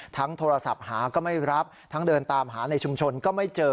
โทรศัพท์หาก็ไม่รับทั้งเดินตามหาในชุมชนก็ไม่เจอ